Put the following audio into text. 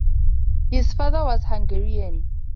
His father was Hungarian.